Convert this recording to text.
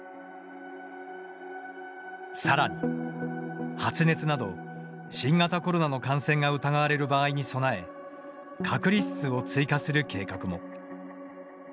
さらに、発熱など新型コロナの感染が疑われる場合に備え隔離室を追加する計画も。